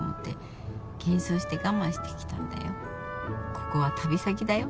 ここは旅先だよ。